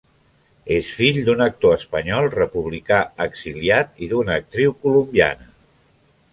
És fill d’un actor espanyol republicà exiliat i d’una actriu colombiana.